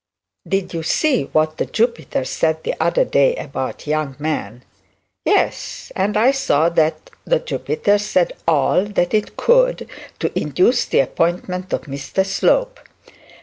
'Did you see what the Jupiter said the other day about young men?' 'Yes; and I saw that the Jupiter said all that it could to induce the appointment of Mr Slope.